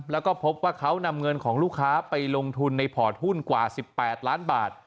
แล้วก็พบว่าเขานำเงินของลูกค้าไปลงทุนในพอร์ตหุ้นกว่า๑๘ล้านบาท